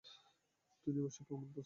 তিনি অবশ্যই প্রমাণ প্রস্তুত করছেন।